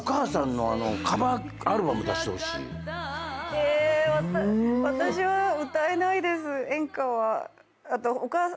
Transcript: え私は歌えないです演歌は。